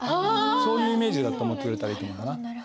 そういうイメージだと思ってくれたらいいと思うな。